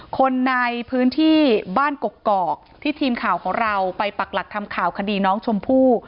คนในพื้นที่บ้านกกอกที่ทีมข่าวของเราไปปักหลักทำข่าวคดีน้องชมพู่